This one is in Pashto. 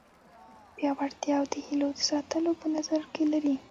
پیاوړتیا او د هیلو د ساتلو په نظر کې لري.